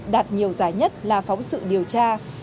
đạt nhiều giải nhất là phóng sự điều tra